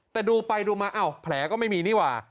แต่ดูไปดูมาอ้าวแผลก็ไม่มีนี่หว่า